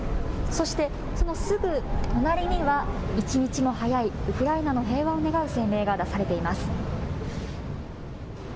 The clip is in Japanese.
そしてそのすぐ隣には一日も早いウクライナの平和を願う声明が出されています。